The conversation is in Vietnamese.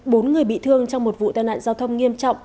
bốn người bị thương trong một vụ tai nạn giao thông nghiêm trọng